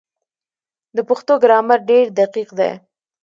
د پښتو ګرامر ډېر دقیق دی.